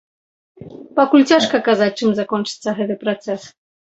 Пакуль цяжка казаць, чым закончыцца гэты працэс.